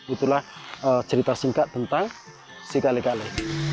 itulah cerita singkat tentang si gale gale